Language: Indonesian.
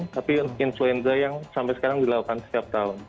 tapi influenza yang sampai sekarang dilakukan setiap tahun